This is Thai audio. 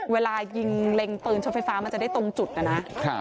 เวลายิงเล็งปืนช็อตไฟฟ้ามันจะได้ตรงจุดนะนะ